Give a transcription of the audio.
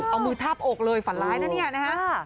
เอามือทาบอกเลยฝันร้ายนะเนี่ยนะฮะ